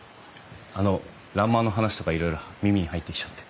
あの欄間の話とかいろいろ耳に入ってきちゃって。